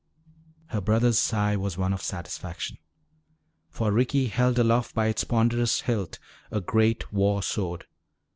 Her brother's sigh was one of satisfaction. For Ricky held aloft by its ponderous hilt a great war sword.